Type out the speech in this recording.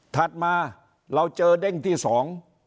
ถัดมาเราเจอเด้งที่สอง